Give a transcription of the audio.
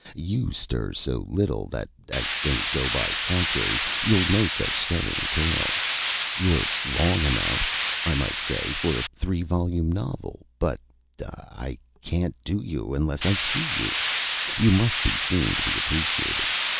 You stir so little that, as things go by contraries, you'll make a stirring tale. You're long enough, I might say, for a three volume novel but ah I can't do you unless I see you. You must be seen to be appreciated.